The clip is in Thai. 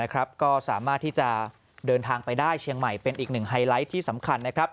ก็สามารถที่จะเดินทางไปได้เชียงใหม่เป็นอีกหนึ่งไฮไลท์ที่สำคัญนะครับ